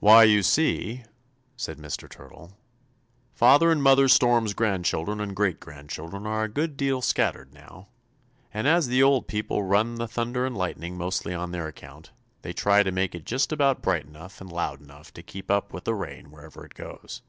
"Why, you see," said Mr. Turtle, "Father and Mother Storm's grandchildren and great grandchildren are a good deal scattered now, and as the old people run the thunder and lightning mostly on their account, they try to make it just about bright enough and loud enough to keep up with the rain wherever it goes."